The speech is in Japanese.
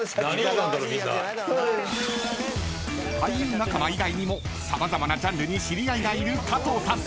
［俳優仲間以外にも様々なジャンルに知り合いがいる加藤さん。